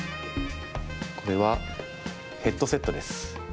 これはヘッドセットです。